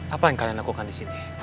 apa yang kalian lakukan disini